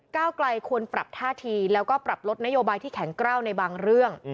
ก้าวไกลควรปรับท่าทีแล้วก็ปรับลดนโยบายที่แข็งกล้าวในบางเรื่อง